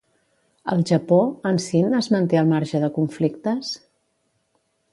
Al Japó, en Sean es manté al marge de conflictes?